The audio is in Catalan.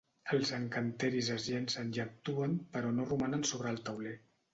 Els encanteris es llencen i actuen però no romanen sobre el tauler.